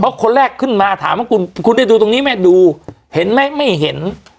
เพราะคนแรกขึ้นมาถามว่าคุณคุณได้ดูตรงนี้ไหมดูเห็นไหมไม่เห็น